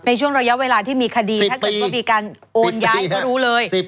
ในช่วงระยะเวลาที่มีคดีถ้าเกิดว่ามีการโอนย้ายก็รู้เลย